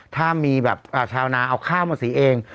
ถ้ามีแบบชาวนาเอาข้าวมาสีเอง